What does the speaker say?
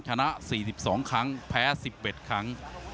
ชนะ๔๒ครั้งแพ้๑๑ครั้ง